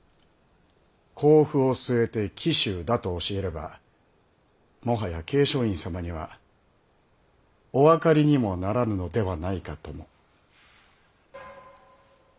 甲府を据えて紀州だと教えればもはや桂昌院様にはお分かりにもならぬのではないかとも。